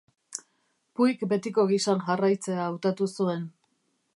Puik betiko gisan jarraitzea hautatu zuen.